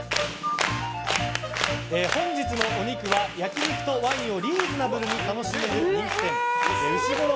本日のお肉は、焼き肉とワインをリーズナブルに楽しめる人気店うしごろ